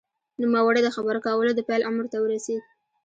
نوموړی د خبرو کولو د پیل عمر ته ورسېد